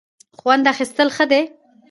خوند اخیستل ښه دی.